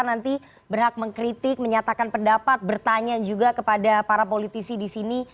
nanti berhak mengkritik menyatakan pendapat bertanya juga kepada para politisi di sini